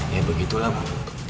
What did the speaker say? ya begitulah bu